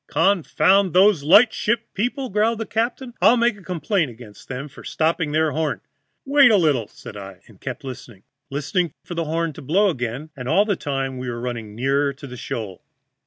"'Confound those light ship people,' growled the captain. 'I'll make complaint against them for stopping their horn.' "'Wait a little,' said I, and kept listening, listening for the horn to blow again, and all the time we were running nearer to the shoal.